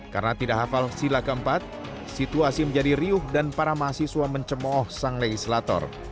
karena tidak hafal sila keempat situasi menjadi riuh dan para mahasiswa mencemoh sang legislator